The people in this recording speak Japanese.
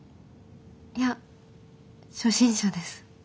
いや初心者です。